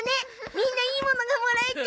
みんないいものがもらえて。